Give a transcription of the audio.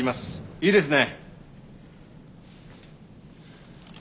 いいですね。